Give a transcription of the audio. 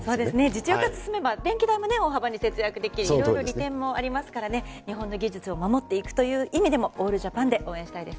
実用化が進めば電気代が大幅に節約できるなどいろいろ利点もありますから日本の技術を守っていく意味でもオールジャパンで応援したい。